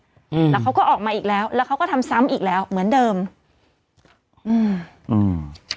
อืมแล้วเขาก็ออกมาอีกแล้วแล้วเขาก็ทำซ้ำอีกแล้วเหมือนเดิมอืมอืม